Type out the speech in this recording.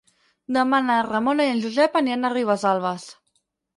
Demà na Ramona i en Josep aniran a Ribesalbes.